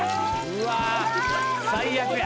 うわ最悪や。